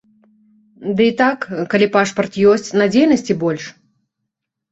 Ды і так, калі пашпарт ёсць, надзейнасці больш.